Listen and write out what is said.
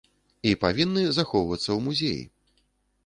І павінны захоўвацца ў музеі.